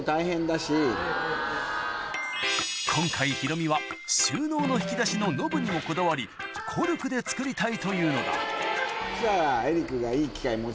今回ヒロミは収納の引き出しのノブにもこだわりコルクで作りたいというのだそしたら。